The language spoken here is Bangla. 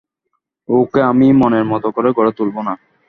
ওকে আমি মনের মতো করে গড়ে তুলব না?